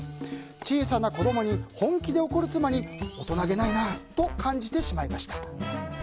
小さな子供に本気で怒る妻に大人げないと感じてしまいました。